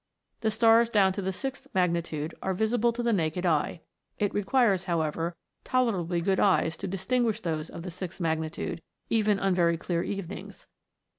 The stars down to the sixth magnitude are visible to the naked eye ; it requires, however, tolerably good eyes to distin guish those of the sixth magnitude, even on very clear evenings.